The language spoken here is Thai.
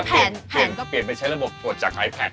เปลี่ยนไปใช้ระบบกดจากไอแพ็ค